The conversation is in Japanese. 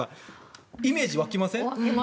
イメージ湧きません？